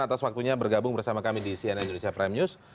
atas waktunya bergabung bersama kami di cnn indonesia prime news